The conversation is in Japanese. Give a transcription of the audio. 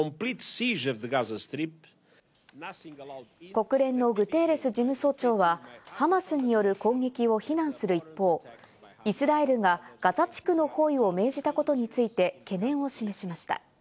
国連のグテーレス事務総長はハマスによる攻撃を非難する一方、イスラエルがガザ地区の包囲を命じたことについて懸念を示しました。